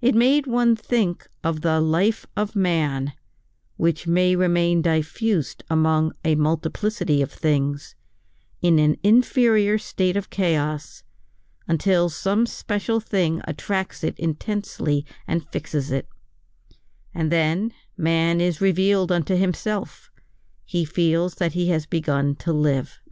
It made one think of the life of man which may remain diffused among a multiplicity of things, in an inferior state of chaos, until some special thing attracts it intensely and fixes it; and then man is revealed unto himself, he feels that he has begun to live.